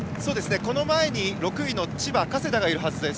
この前に６位、千葉の加世田がいるはずです。